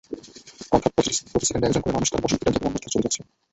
অর্থাৎ প্রতি সেকেন্ডে একজন করে মানুষ তার বসতভিটা থেকে অন্যত্র চলে যাচ্ছে।